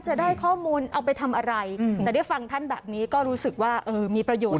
จะได้ข้อมูลเอาไปทำอะไรแต่ได้ฟังท่านแบบนี้ก็รู้สึกว่าเออมีประโยชน์